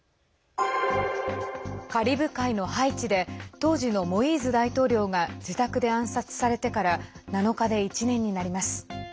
カリブ海のハイチで当時のモイーズ大統領が自宅で暗殺されてから７日で１年になります。